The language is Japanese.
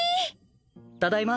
ただいま。